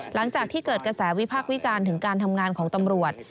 หลังจากที่เกิดกระแสวิพักษ์วิจารณ์ถึงการทำงานของตำรวจ